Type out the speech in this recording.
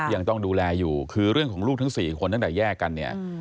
ยังต้องดูแลอยู่คือเรื่องของลูกทั้ง๔คนตั้งแต่แยกกันเนี่ย